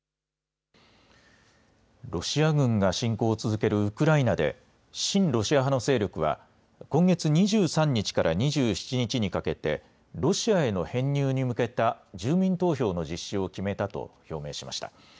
ロシア軍が侵攻を続けるウクライナで親ロシア派の勢力は今月２３日から２７日にかけてロシアへの編入に向けた住民投票の実施を決めたと表明しました。